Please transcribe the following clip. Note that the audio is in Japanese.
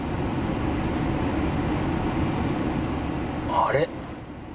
あれ？